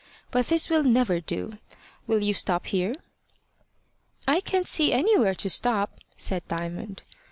But this will never do. Will you stop here?" "I can't see anywhere to stop," said Diamond.